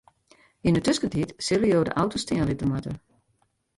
Yn 'e tuskentiid sille jo de auto stean litte moatte.